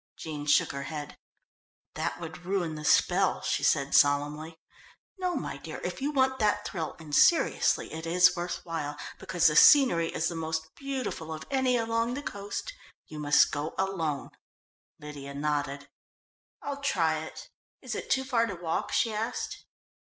Jean shook her head. "That would ruin the spell," she said solemnly. "No, my dear, if you want that thrill, and, seriously, it is worth while, because the scenery is the most beautiful of any along the coast, you must go alone." Lydia nodded. "I'll try it. Is it too far to walk?" she asked.